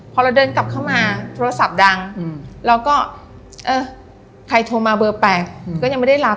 พอเราเดินกลับเข้ามาโทรศัพท์ดังเราก็เออใครโทรมาเบอร์๘ก็ยังไม่ได้รับ